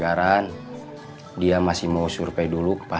orang indonesia ini